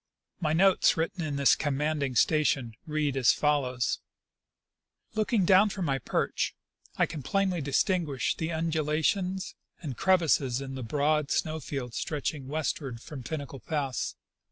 My notes written in this commanding station read as follows :" Looking down from my perch I can plainly distinguish the undulations and crevasses in the broad snow fields stretching ' westward from Pinnacle pass.